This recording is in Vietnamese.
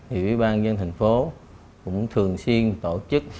thì ủy ban dân thành phố cũng thường xuyên tổ chức